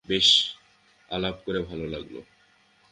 বেশ, আলাপ করে ভালো লাগলো।